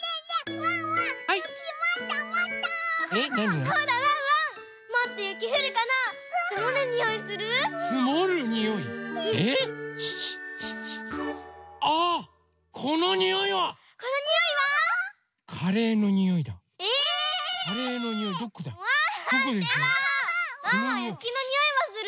ワンワンゆきのにおいはする？